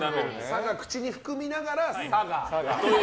佐賀、口に含みながら佐賀。